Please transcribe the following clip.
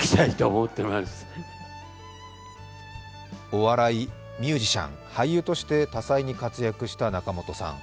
お笑い、ミュージシャン、俳優として多才に活躍した仲本さん。